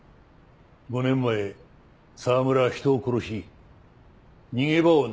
５年前沢村は人を殺し逃げ場をなくし